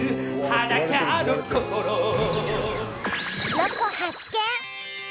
ロコ発見！